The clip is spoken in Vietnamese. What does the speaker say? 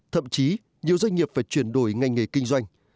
thậm chí nhiều doanh nghiệp phải chuyển đổi ngành nghề kinh doanh